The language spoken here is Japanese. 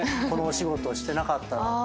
この仕事してなかったら。